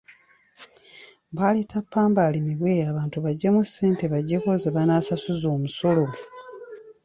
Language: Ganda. Baleeta ppamba alimibwe abantu baggyemu ssente baggyeko ze banaasasuza omusolo.